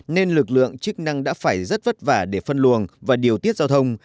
nên lực lượng chức năng đã phải rất vất vả để phân luồng và điều tiết giao thông